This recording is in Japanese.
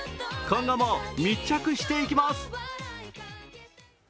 今後も密着していきます。